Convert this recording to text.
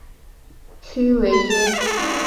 屈维耶。